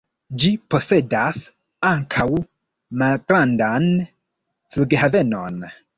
Ĝi posedas ankaŭ malgrandan flughavenon.